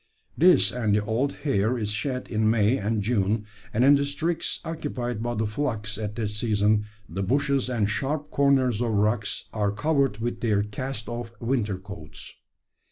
This and the old hair is shed in May and June; and in districts occupied by the flocks at that season the bushes and sharp corners of rocks are covered with their cast off winter coats.